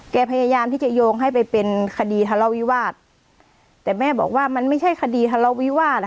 พยายามที่จะโยงให้ไปเป็นคดีทะเลาวิวาสแต่แม่บอกว่ามันไม่ใช่คดีทะเลาวิวาส